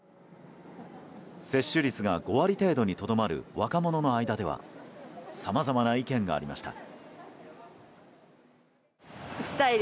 接種率が５割程度にとどまる若者の間ではさまざまな意見がありました。